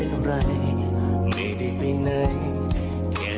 โอ้โหขอบคุณครับ